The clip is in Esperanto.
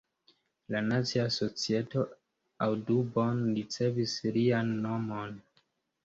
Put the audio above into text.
La Nacia Societo Audubon ricevis lian nomon.